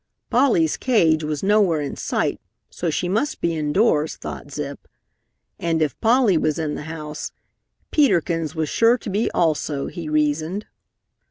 Polly's cage was nowhere in sight, so she must be indoors, thought Zip. And if Polly was in the house, Peter Kins was sure to be also, he reasoned.